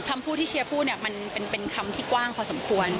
คำพูดที่เชียร์พูดเนี่ยมันเป็นคำที่กว้างพอสมควร